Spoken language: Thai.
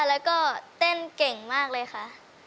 แล้วก็เต้นเก่งมากเลยค่ะ